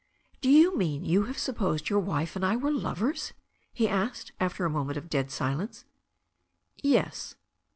"Do you mean you have supposed your wife and I were lovers?" he asked, after a moment of dead silence. "Yes."